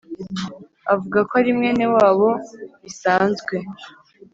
avugako arimwene wabo bisanzwe